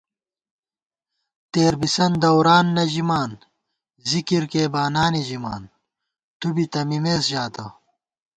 تېر بِسن دوران نہ ژِمان، ذکرکېئی بانانےژِمان، تُو بی تہ مِمېس ژاتہ